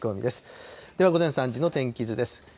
では午前３時の天気図です。